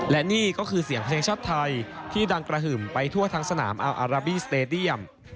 และนี่ก็คือเสียงเพลงชาติไทยที่ดังกระหึ่มไปทั่วทั้งสนามอัลอาราบีสเตดียม